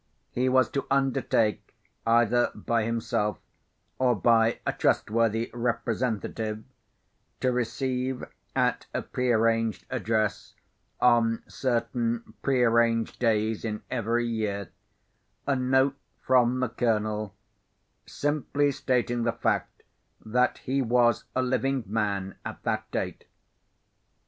He was to undertake either by himself, or by a trustworthy representative—to receive at a prearranged address, on certain prearranged days in every year, a note from the Colonel, simply stating the fact that he was a living man at that date.